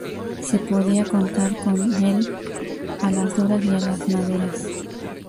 Se podía contar con él a las duras y a las maduras